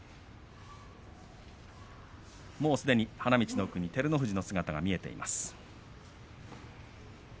もうすでに花道の奥に照ノ富士の姿が見えます。